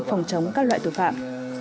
phòng chống các loại tội phạm